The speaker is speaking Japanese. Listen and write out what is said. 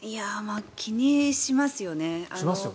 気にしますよね。